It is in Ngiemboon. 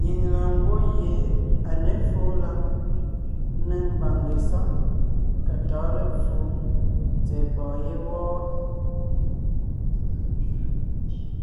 Nyìŋ lɔɔn ngwɔ́ gie à ně fóo lǎŋ ńnéŋ mbàŋ ngesáŋ ka tɔ̌ɔn lepfo tsɛ̀ɛ pɔ̀ɔn yé wɔ́.